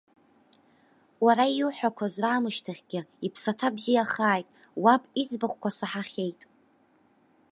Уара иуҳәақәаз раамышьҭахьгьы, иԥсаҭа бзиахааит, уаб иӡбахәқәа саҳахьеит.